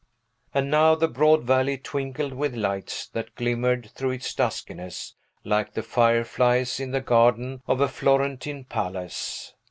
And now the broad valley twinkled with lights, that glimmered through its duskiness like the fireflies in the garden of a Florentine palace.